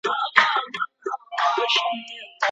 دري ژبه په ښوونځیو کي نه منعه کېږي.